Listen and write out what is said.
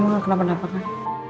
mama kenapa kenapa kan